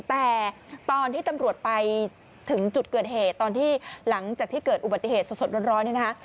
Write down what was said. แต่ตอนที่ตำรวจไปถึงจุดเกิดเหตุตอนที่หลังจากที่เกิดอุบัติเหตุสดร้อนเนี่ยนะคะ